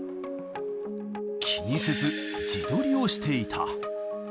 気にせず自撮りをしていた。